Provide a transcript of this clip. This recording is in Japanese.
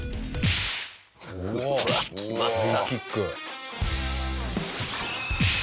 うわっ決まった。